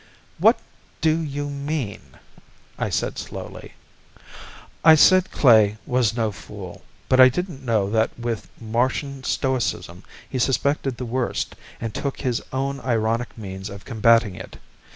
"What do you mean?" I said slowly. "I said Klae was no fool. But I didn't know that with Martian stoicism he suspected the worst and took his own ironic means of combating it.